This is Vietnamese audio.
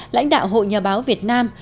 lãnh đạo hội nhà báo việt nam